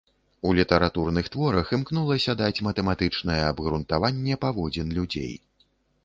У літаратурных творах імкнулася даць матэматычнае абгрунтаванне паводзін людзей.